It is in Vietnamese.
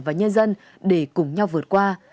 và nhân dân để cùng nhau vượt qua